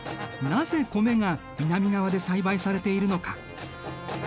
なぜ米が南側で栽培されているのか。